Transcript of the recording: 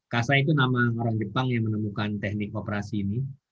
kasa itu nama orang jepang yang menemukan teknik operasi ini